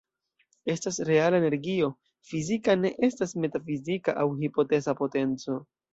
Estas reala energio, fizika; ne estas metafizika aŭ hipoteza potenco.